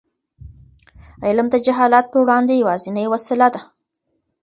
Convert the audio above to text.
علم د جهالت پر وړاندې یوازینۍ وسله ده.